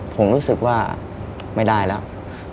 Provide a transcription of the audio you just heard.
ผมรู้สึกว่าไม่ได้แล้ว